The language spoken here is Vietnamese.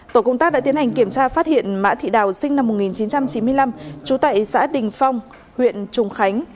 tổ công tác đã tiến hành kiểm tra phát hiện mã thị đào sinh năm một nghìn chín trăm chín mươi năm trú tại xã đình phong huyện trùng khánh